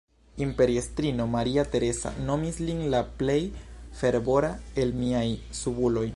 Imperiestrino Maria Tereza nomis lin "la plej fervora el miaj subuloj".